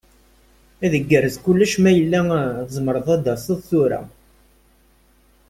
Ad igerrez kullec ma yella tzemreḍ ad d-taseḍ tura.